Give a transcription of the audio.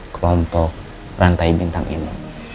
kelompok rantai bintang ini